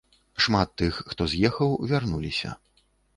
Шмат тых, хто з'ехаў, вярнуліся.